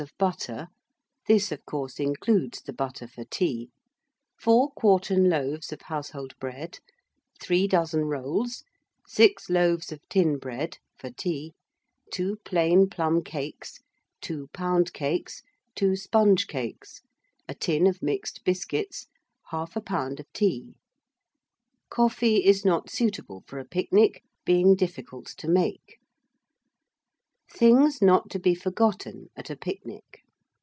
of butter (this, of course, includes the butter for tea), 4 quartern loaves of household broad, 3 dozen rolls, 6 loaves of tin bread (for tea), 2 plain plum cakes, 2 pound cakes, 2 sponge cakes, a tin of mixed biscuits, 1/2 lb, of tea. Coffee is not suitable for a picnic, being difficult to make. Things not to be forgotten at a Picnic.